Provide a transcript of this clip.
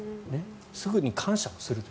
すぐに感謝をすると。